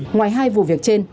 ngoài hai vụ việc trên